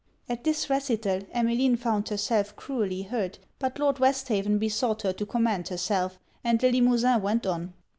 _' At this recital, Emmeline found herself cruelly hurt; but Lord Westhaven besought her to command herself, and Le Limosin went on.